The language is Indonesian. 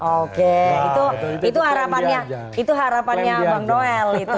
oke itu harapannya bang noel itu